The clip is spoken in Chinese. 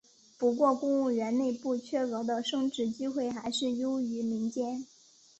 不过公务员内部缺额的升职机会还是优于民间。